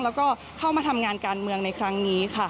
แล้วก็เข้ามาทำงานการเมืองในครั้งนี้ค่ะ